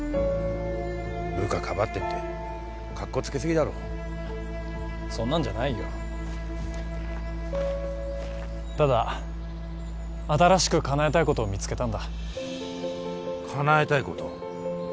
部下かばってってカッコつけすぎだろそんなんじゃないよただ新しくかなえたいことを見つけたんだかなえたいこと？